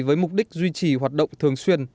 với mục đích duy trì hoạt động thường xuyên